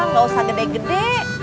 enggak usah gede gede